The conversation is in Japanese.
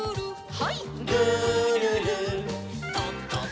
はい。